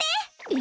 え？